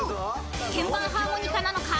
［鍵盤ハーモニカなのか？